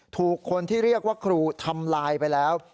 ถูกคนที่เรียกว่าครูทำลายไปแล้ว